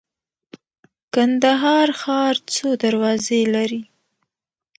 کندهار ښار څو دروازې لري؟